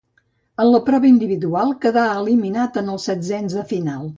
En la prova individual quedà eliminat en els setzens de final.